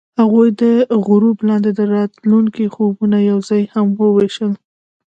هغوی د غروب لاندې د راتلونکي خوبونه یوځای هم وویشل.